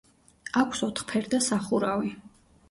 აქვს ოთხფერდა სახურავი.